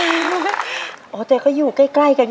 เอาแต่เขาอยู่ใกล้กัน